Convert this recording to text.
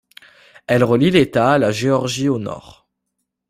Elle relie l'État à la Géorgie au nord.